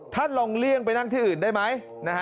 ท่านลองเลี่ยงไปนั่งที่อื่นได้ไหม